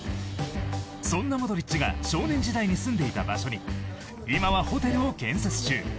そんなモドリッチが少年時代に住んでいた場所に今はホテルを建設中。